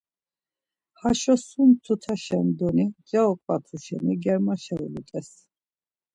Haşo sum tutaşendoni nca oǩvatu şeni germaşa ulut̆es.